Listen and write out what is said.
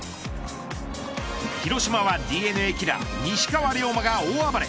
広島はＤｅＮＡキラー西川龍馬が大暴れ。